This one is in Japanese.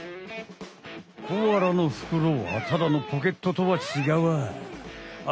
コアラのふくろはただのポケットとはちがうわい。